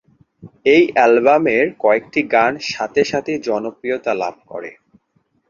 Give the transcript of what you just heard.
এই অ্যালবামের কয়েকটি গান সাথে সাথেই জনপ্রিয়তা লাভ করে।